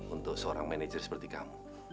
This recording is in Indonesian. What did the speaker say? untuk seorang manajer seperti kamu